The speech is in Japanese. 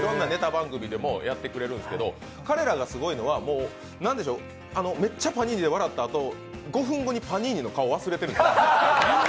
番組でもやってくれてるんですけど彼らがすごいのは、めっちゃパニーニで笑ったあと、５分後にパニーニの顔忘れてるんですよ。